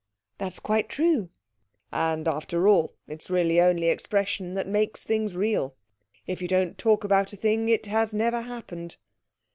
'That's quite true.' 'And, after all, it's really only expression that makes things real. 'If you don't talk about a thing, it has never happened.''